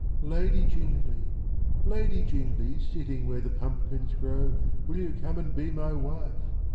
"Lady Jingly! Lady Jingly! "Sitting where the pumpkins grow, "Will you come and be my wife?"